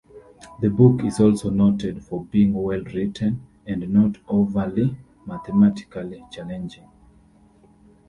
The book is also noted for being well written and not overly mathematically challenging.